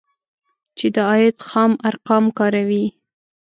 چې د عاید خام ارقام کاروي